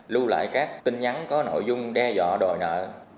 lưu lại các tin nhắn có nội dung đe dọa đòi nợ